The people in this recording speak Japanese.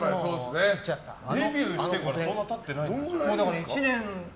デビューしてからそんな経ってないんだ。